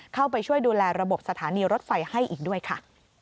เข้าไปช่วยดูแลระบบสถานีรถไฟให้อีกด้วยค่ะ